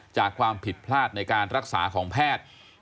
จากความผิดพลาดในการรักษาของแพทย์